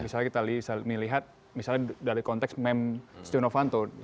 misalnya kita lihat misalnya dari konteks meme stenovanto